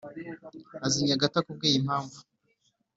azinyaga atakubwiye impamvu